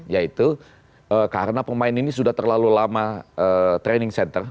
yaitu karena pemain ini sudah terlalu lama training center